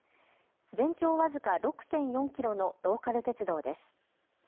全長僅か６．４キロのローカル鉄道です。